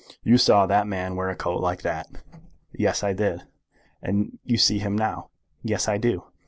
You saw that man wear a coat like that." "Yes; I did." "And you see him now." "Yes, I do."